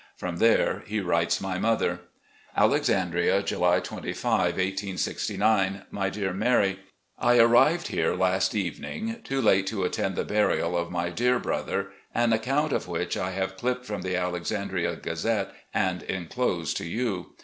From there he writes my mother: "Alexandria, July 25, 1869. " My Dear Mary: I arrived here last evening, too late to attend the burial of my dear brother, an accotmt of which I have clipped from the Alexandria Gazette and inclose to you.